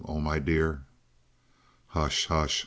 Oh, my dear!" "Hush! Hush!